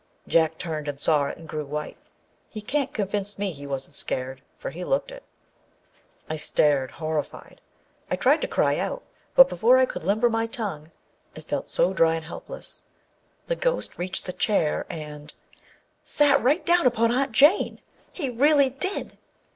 Jack turned and saw it, and grew white. He can't convince me he wasn't scared, for he looked it. I stared, horrified. I tried to cry out, but before I could limber my tongue (it felt so dry and helpless) the ghost reached the chair and â sat right down upon Aunt Jane ! He really did